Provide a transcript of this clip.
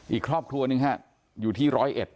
อีกครอบครัวหนึ่งฮะอยู่ที่ร้อยเอ็ด